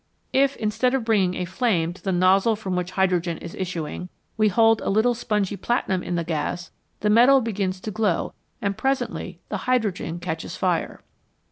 If instead of bringing a flame to the nozzle from which hydrogen is issuing, we hold a little spongy platinum in the gas, the metal begins to glow and presently the hydrogen catches fire.